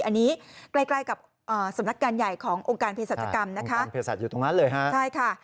อันนี้ใกล้กับสมนักการใหญ่ขององค์การเพศจรรยากรรมนะคะ